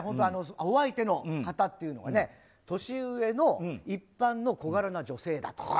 お相手の方っていうのが、年上の一般の小柄な女性だと。